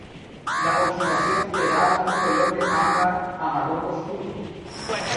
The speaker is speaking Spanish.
La oxidación le daba un color de ámbar a marrón oscuro.